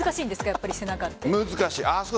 やっぱり背中って。